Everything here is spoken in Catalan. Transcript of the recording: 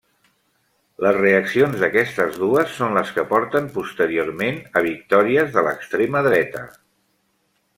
Les reaccions d'aquestes dues són les que porten posteriorment a victòries de l'extrema dreta.